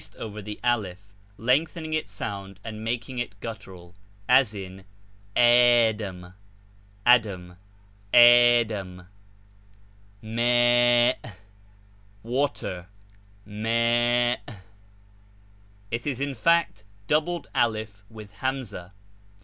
over the a/i/) lengthening fts sound and making it guttural, as in jl ot&»n, 'Adam;' C m«, 'water;' it is in fact doubled alif with hamzah.